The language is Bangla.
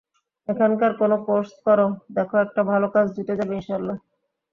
এখানকার কোনো কোর্স কর, দেখো একটা ভালো কাজ জুটে যাবে ইনশা আল্লাহ।